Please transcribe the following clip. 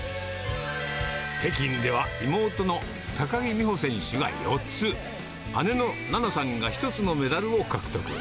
北京では、妹の高木美帆選手が４つ、姉の菜那さんが１つのメダルを獲得。